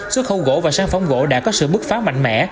xuất khẩu gỗ và sản phẩm gỗ đã có sự bước phá mạnh mẽ